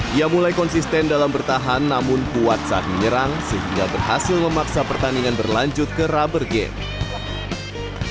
dia mulai konsisten dalam bertahan namun kuat saat menyerang sehingga berhasil memaksa pertandingan berlanjut ke rubber game